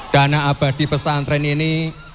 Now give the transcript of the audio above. dana abadi pesantren ini